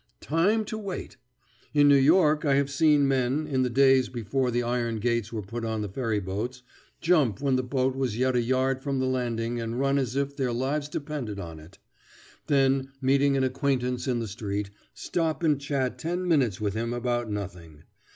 Time to wait! In New York I have seen men, in the days before the iron gates were put on the ferry boats, jump when the boat was yet a yard from the landing and run as if their lives depended on it; then, meeting an acquaintance in the street, stop and chat ten minutes with him about nothing.